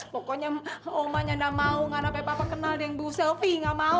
pokoknya mama nggak mau nggak sampai papa kenal deh yang bu selfie nggak mau